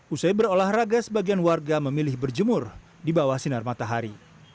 usai berolahraga sebagian warga memilih berjemur di bawah sinar matahari